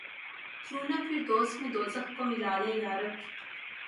کیوں نہ فردوس میں دوزخ کو ملا لیں یارب!